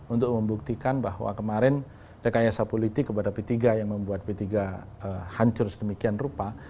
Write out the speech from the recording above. untuk membuktikan bahwa kemarin rekayasa politik kepada p tiga yang membuat p tiga hancur sedemikian rupa